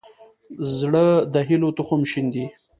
زړه د هيلو تخم شیندي.